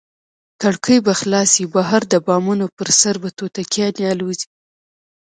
کړکۍ به خلاصې وي، بهر د بامونو پر سر به توتکیانې الوزي.